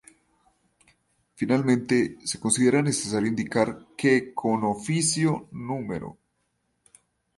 Finalmente, se considera necesario indicar que con oficio No.